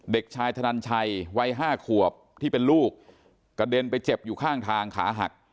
เด็กชายธนันชัยวัย๕ขวบที่เป็นลูกกระเด็นไปเจ็บอยู่ข้างทางขาหัก